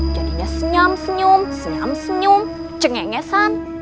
jadinya senyam senyum senyam senyum cengenggesan